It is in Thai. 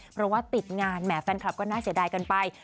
เพราะว่าติดงานแหมแฟนคลับก็น่าเสียดายกันไป